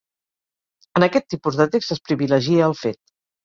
En aquest tipus de text es privilegia el fet.